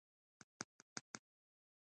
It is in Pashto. هغه د پلاستیکي راکټ په لور اشاره وکړه